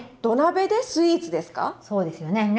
土鍋でスイーツですか⁉そうですよね。